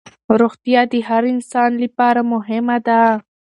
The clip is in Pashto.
روغتیا د هر انسان لپاره مهمه ده